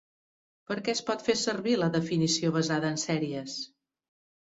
Per a què es pot fer servir la definició basada en sèries?